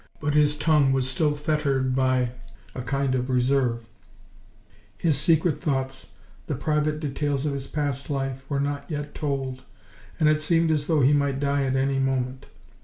But his tongue was still fettered by a kind of reserve: his secret thoughts, the private details of his past life were not yet told, and it seemed as though he might die at any moment.